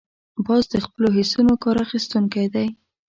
باز د خپلو حسونو کار اخیستونکی دی